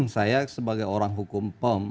saya sebagai orang hukum